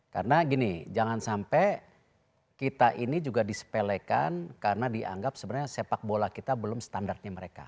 karena gini jangan sampai kita ini juga disepelekan karena dianggap sebenarnya sepak bola kita belum standarnya mereka